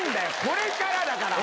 これからだから！